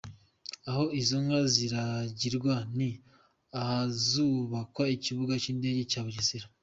Aho izo nka ziragirwa ni ahazubakwa ikibuga cy’indege cya Bugesera.